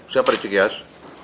siapa di cekias